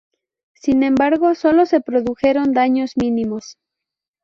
Sin embargo, solo se produjeron daños mínimos.